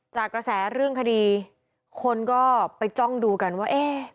จากกระแสเรื่องคดีคนก็ไปจ้องดูกันว่าเอ๊ะ